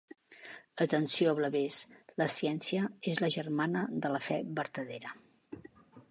Atenció, blavers: la ciència és la germana de la fe vertadera.